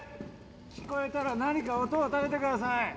聞こえたら何か音を立ててください